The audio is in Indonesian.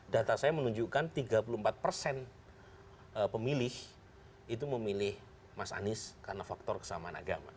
data saya menunjukkan tiga puluh empat persen pemilih itu memilih mas anies karena faktor kesamaan agama